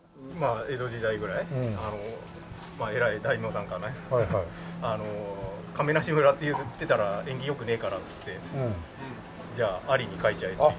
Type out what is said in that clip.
江戸時代ぐらい偉い大名さんがね亀無村っていってたら縁起良くねえからっつってじゃあ「有」に変えちゃえっていう。